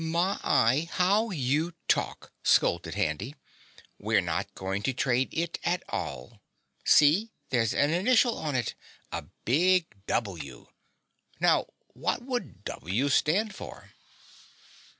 "My y how you talk!" scolded Handy. "We're not going to trade it at all. See, there's an initial on it. A big W. Now what would W stand for?"